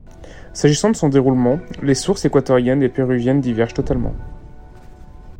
S'agissant de son déroulement, les sources équatoriennes et péruviennes divergent totalement.